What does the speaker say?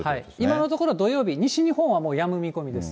今のところ、土曜日、西日本はもうやむ見込みです。